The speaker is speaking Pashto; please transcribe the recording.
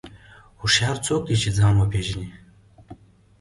هوښیار څوک دی چې ځان وپېژني.